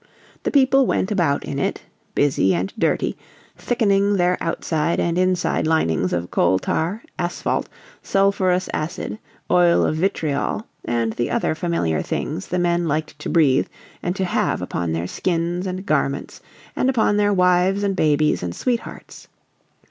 The people went about in it, busy and dirty, thickening their outside and inside linings of coal tar, asphalt, sulphurous acid, oil of vitriol, and the other familiar things the men liked to breathe and to have upon their skins and garments and upon their wives and babies and sweethearts.